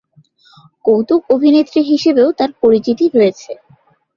কৌতুক অভিনেত্রী হিসেবেও তার পরিচিতি রয়েছে।